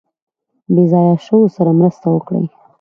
بې ځایه شویو سره مرسته وکړي.